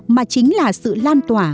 mà chính là sự lan tỏa